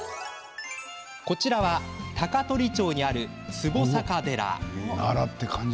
こちらは、高取町にある壷阪寺。